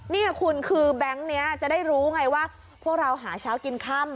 นี่คุณคือแบงค์นี้จะได้รู้ไงว่าพวกเราหาเช้ากินค่ำ